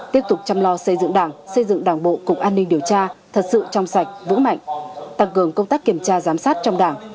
tiếp tục chăm lo xây dựng đảng xây dựng đảng bộ cục an ninh điều tra thật sự trong sạch vững mạnh tăng cường công tác kiểm tra giám sát trong đảng